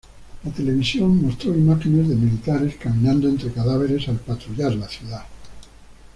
La televisión mostró imágenes de militares caminado entre cadáveres al patrullar la ciudad.